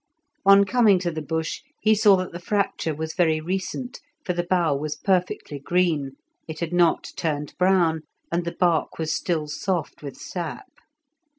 On coming to the bush he saw that the fracture was very recent, for the bough was perfectly green; it had not turned brown, and the bark was still soft with sap.